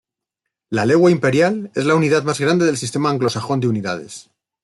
La legua imperial es la unidad más grande del Sistema Anglosajón de Unidades.